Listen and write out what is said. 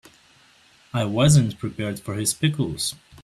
I wasn't prepared for his pickles.